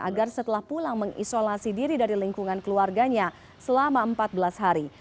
agar setelah pulang mengisolasi diri dari lingkungan keluarganya selama empat belas hari